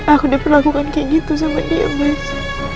aku diperlakukan kayak gitu sama dia mas